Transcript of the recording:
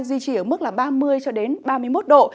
duy trì ở mức ba mươi ba mươi một độ